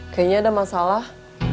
kayaknya ada masalah